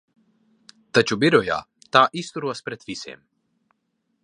Taču birojā tā izturos pret visiem.